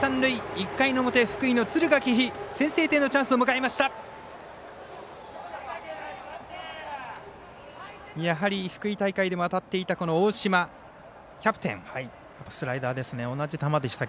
１回の表、福井の敦賀気比先制点のチャンスを迎えました。